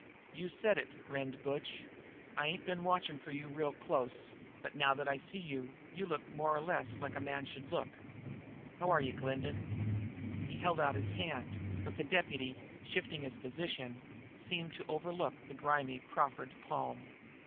"You've said it," grinned Butch, "I ain't been watchin' for you real close, but now that I see you, you look more or less like a man should look. H'ware ye, Glendin?" He held out his hand, but the deputy, shifting his position, seemed to overlook the grimy proffered palm.